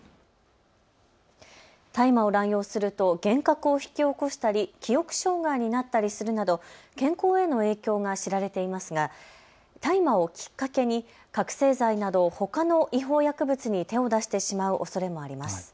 大麻を乱用すると幻覚を引き起こしたり記憶障害になったりするなど健康への影響が知られていますが大麻をきっかけに覚醒剤などほかの違法薬物に手を出してしまうおそれもあります。